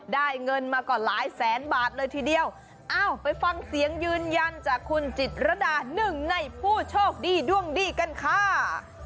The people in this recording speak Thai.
ได้เงินมาก็หลายแสนบาทเลยทีเดียวอ้าวไปฟังเสียงยืนยันจากคุณจิตรดาหนึ่งในผู้โชคดีดวงดีกันค่ะ